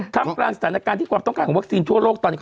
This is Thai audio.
ทางกับล่าสถานการณ์ที่กว่าต้องการวัคซีนตุวรวกตอนนี้